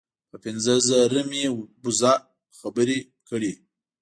په پنځه زره مې وزه خبرې کړې.